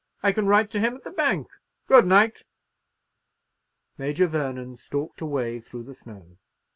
I can write to him at the bank. Good night." Major Vernon stalked away through the snow.